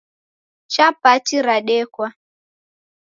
Chapati radekwa